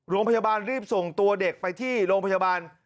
โรงพยาบาลรีบส่งตัวเด็กไปที่โรงพยาบาล